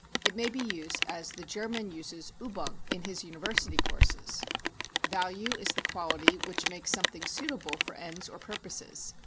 It may be used as the German uses übung in his university courses. Value is the quality that makes something suitable for ends or purposes.